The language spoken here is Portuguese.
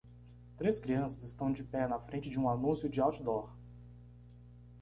Três crianças estão de pé na frente de um anúncio de outdoor.